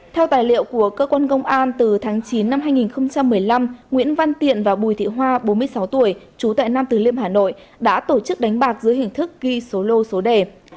theo tài liệu của cơ quan công an từ tháng chín năm hai nghìn một mươi năm nguyễn văn tiện và bùi thị hoa bốn mươi sáu tuổi trú tại nam từ liêm hà nội đã tổ chức đánh bạc dưới hình thức ghi số lô số đề